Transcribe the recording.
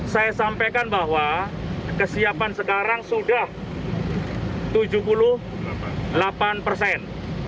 saya sampaikan bahwa kesiapan sekarang sudah tujuh puluh delapan persen